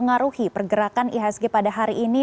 mengaruhi pergerakan ihsg pada hari ini